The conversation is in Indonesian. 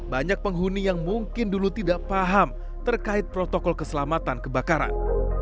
banyak penghuni yang mungkin dulu tidak paham terkait protokol keselamatan kebakaran